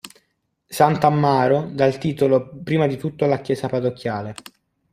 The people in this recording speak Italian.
San Tammaro dà il titolo prima di tutto alla Chiesa Parrocchiale.